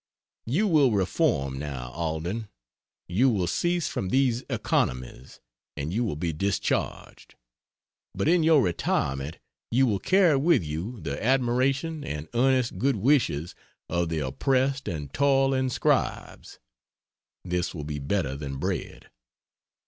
You will reform, now, Alden. You will cease from these economies, and you will be discharged. But in your retirement you will carry with you the admiration and earnest good wishes of the oppressed and toiling scribes. This will be better than bread.